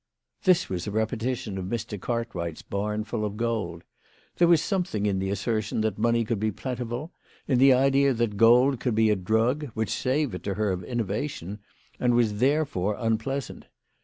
This was a repetition of Mr. Cart Wright's barn full of gold. There was something in the assertion that money could be plentiful, in the idea that gold could be a drug, which savoured to her of innovation, and was therefore unpleasant.